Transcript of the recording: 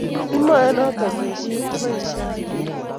Komayoe noto boishet, iboishee age